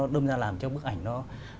đâm ra làm cho bức ảnh nó